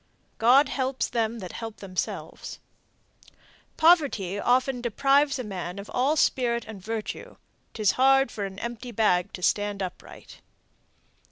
God helps them that help themselves. Poverty often deprives a man of all spirit and virtue, 'Tis hard for an empty bag to stand upright.